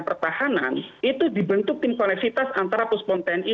pertahanan itu dibentuk tim koneksitas antara puspon tni dan kpk